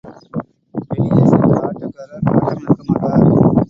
வெளியே சென்ற ஆட்டக்காரர் ஆட்டமிழக்க மாட்டார்.